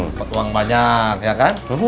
dapat uang banyak ya kan